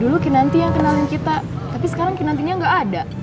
dulu kinanti yang kenalin kita tapi sekarang nantinya gak ada